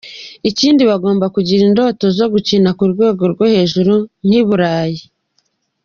Ikindi, bagomba kugira indoto zo gukina ku rwego rwo hejuru nk’i Burayi.